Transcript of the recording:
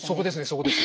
そこです